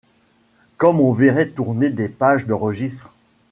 Comme on verrait tourner des pages de registres